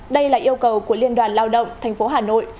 đây là yêu cầu của liên đoàn lao động tp hà nội